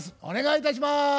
お願いいたします。